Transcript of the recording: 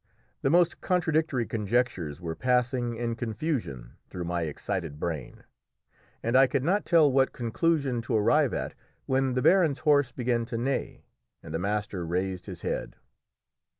The most contradictory conjectures were passing in confusion through my excited brain, and I could not tell what conclusion to arrive at, when the baron's horse began to neigh, and the master raised his head.